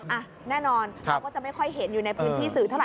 อ่ะแน่นอนเราก็จะไม่ค่อยเห็นอยู่ในพื้นที่สื่อเท่าไ